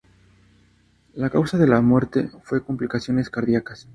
La causa de la muerte fue "complicaciones cardíacas".